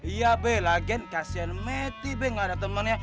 iya beng lagian kasian meti beng gak ada temennya